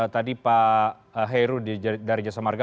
tadi pak heru dari jasa marga